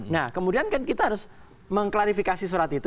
nah kemudian kan kita harus mengklarifikasi surat itu